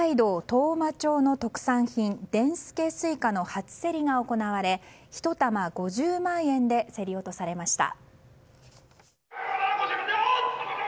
当麻町の特産品でんすけスイカの初競りが行われ１玉５０万円で競り落とされました。